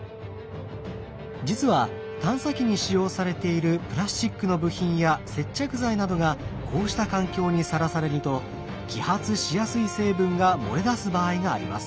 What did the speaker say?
実は探査機に使用されているプラスチックの部品や接着剤などがこうした環境にさらされると揮発しやすい成分が漏れ出す場合があります。